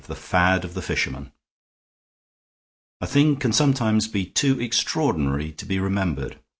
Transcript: THE FAD OF THE FISHERMAN A thing can sometimes be too extraordinary to be remembered.